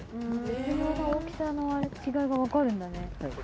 絶妙な大きさの違いが分かるんだね。